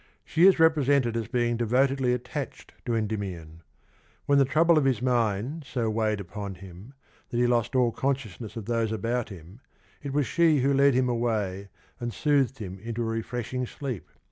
She is represented as being devotedly attached to Endymion. When the trouble of his mind so weighed upon him that he lost all consciousness of those about him, it was she who led him away and soothed him into a refreshing sleep.